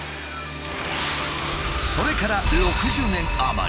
それから６０年余り。